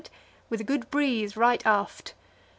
with a good breeze right aft.